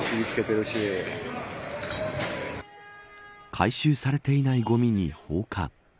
回収されていないごみに放火。